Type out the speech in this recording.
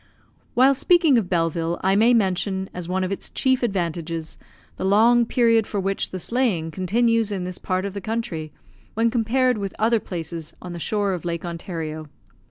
While speaking of Belleville, I may mention, as one of its chief advantages, the long period for which the sleighing continues in this part of the country, when compared with other places on the shore of Lake Ontario.